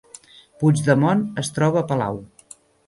Puigdemont es troba a palau